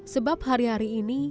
sebab hari hari ini